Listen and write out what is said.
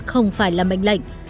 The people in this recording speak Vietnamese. không phải là mệnh lệnh